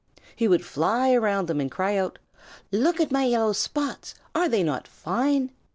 He would fly around them and cry out: "Look at my yellow spots. Are they not fine?"